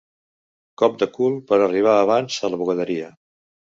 Cop de cul per arribar abans a la bugaderia.